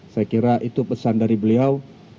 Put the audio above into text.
saya kira itu pesan dari beliau